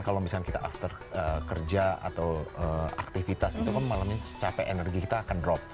kalau misalnya kita after kerja atau aktivitas itu kan malam ini capek energi kita akan drop